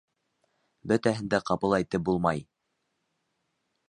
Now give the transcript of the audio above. Бөтәһен дә ҡапыл әйтеп булмай...